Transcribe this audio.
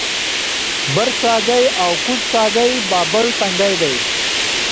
برڅاګی او کوز څاګی بابړ تنګی دی